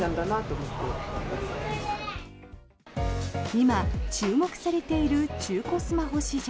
今、注目されている中古スマホ市場。